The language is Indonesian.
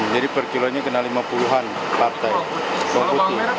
jadi per kilonya kena rp lima puluh